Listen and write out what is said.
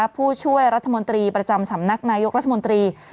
ผู้ช่วยรัฐมนตรีประจำสำนักนายกรัฐมนตรี